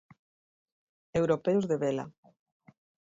Europeos de vela.